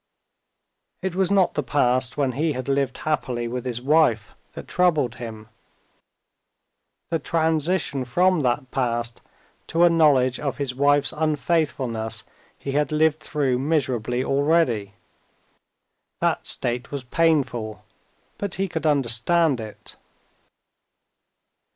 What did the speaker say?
It was not the past when he had lived happily with his wife that troubled him. The transition from that past to a knowledge of his wife's unfaithfulness he had lived through miserably already; that state was painful, but he could understand it.